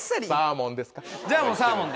じゃあもうサーモンで。